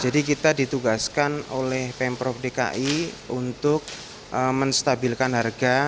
jadi kita ditugaskan oleh pemprov dki untuk menstabilkan harga